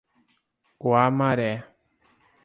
Guamaré